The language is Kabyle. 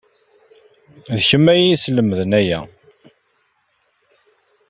D kemm ay iyi-yeslemden aya.